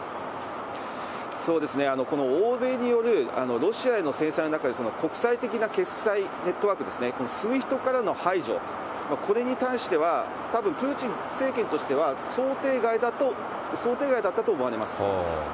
そうですね、この欧米によるロシアへの制裁の中で、国際的な決済ネットワークですね、ＳＷＩＦＴからの排除、これに対しては、たぶんプーチン政権としては想定外だったと思われます。